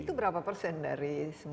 itu berapa persen dari semua